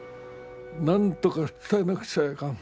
なんとか伝えなくちゃいかん。